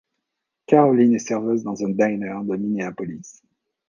Caroline est serveuse dans un Diner de Minneapolis.